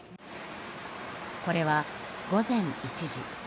これは午前１時。